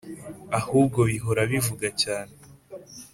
ahubwo bihora bivuga cyane